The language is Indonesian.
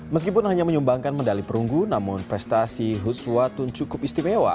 meskipun hanya menyumbangkan medali perunggu namun prestasi huswatun cukup istimewa